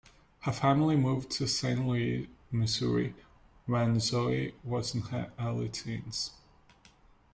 Her family moved to Saint Louis, Missouri when Zoe was in her early teens.